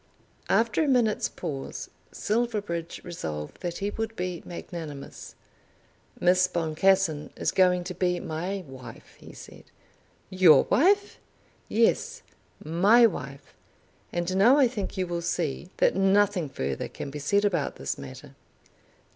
After a minute's pause Silverbridge resolved that he would be magnanimous. "Miss Boncassen is going to be my wife," he said. "Your wife!" "Yes; my wife. And now I think you will see that nothing further can be said about this matter."